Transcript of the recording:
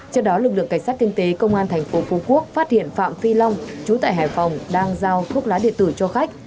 trước đó lực lượng cảnh sát kinh tế công an thành phố phú quốc phát hiện phạm phi long chú tại hải phòng đang giao thuốc lá điện tử cho khách